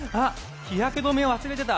日焼け止め忘れてた。